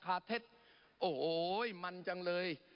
ปรับไปเท่าไหร่ทราบไหมครับ